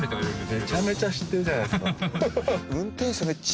めちゃめちゃ知ってるじゃないですか。